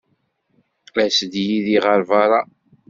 As-d yid-i ɣer beṛṛa.